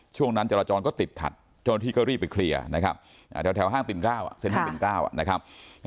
ช่วงนั้นจรจรก็ติดขัดจนที่ก็รีบไปเคลียร์นะครับแถวห้างปิ่นกล้าวนะครับ